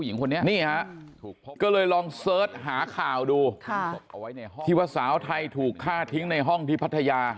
คนนี้นี่ฮะก็เลยลองเสิร์ชหาข่าวดูที่ว่าสาวไทยถูกฆ่าทิ้งในห้องที่พัทยา